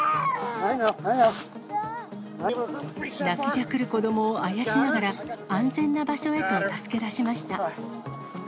泣きじゃくる子どもをあやしながら、安全な場所へと助け出しました。